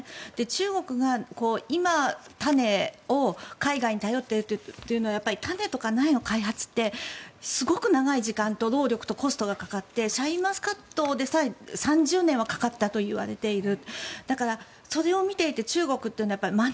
中国が今、種を海外に頼っているというのは種とか苗の開発ってすごく長い時間と労力とコストがかかってシャインマスカットでさえ３０年はかかったといわれている。